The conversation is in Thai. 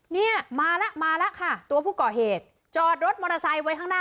เนี่ยมาแล้วมาแล้วค่ะตัวผู้ก่อเหตุจอดรถมอเตอร์ไซค์ไว้ข้างหน้า